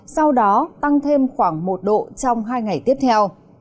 sau đó tăng thêm khoảng một độ trong hai ngày tiếp theo